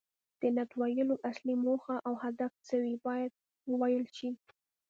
د نعت ویلو اصلي موخه او هدف څه وي باید وویل شي.